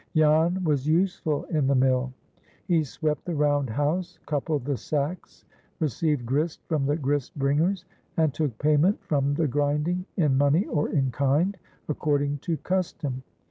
Jan was useful in the mill. He swept the round house, coupled the sacks, received grist from the grist bringers, and took payment for the grinding in money or in kind, according to custom.